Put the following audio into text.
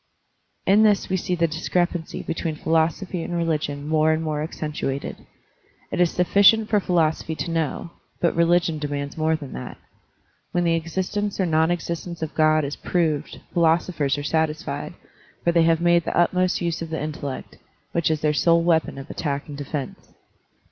In this we see the discrepancy between phi losophy and religion more and more accentuated. It is sufficient for philosophy to know, but religion demands more than that. When the existence or non existence of God is proved, philosophers are satisfied, for they have made the utmost use of the intellect, which is their sole weapon of attack and defense.